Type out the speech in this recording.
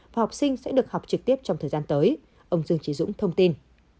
và học sinh sẽ được học trực tiếp trong thời gian tới ông dương trí dũng thông tin